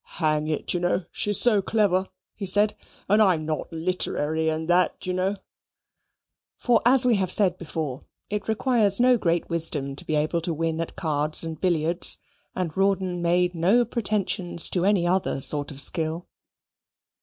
"Hang it, you know she's so clever," he said, "and I'm not literary and that, you know." For, as we have said before, it requires no great wisdom to be able to win at cards and billiards, and Rawdon made no pretensions to any other sort of skill.